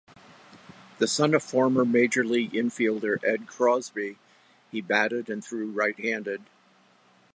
The son of former major league infielder Ed Crosby, he batted and threw right-handed.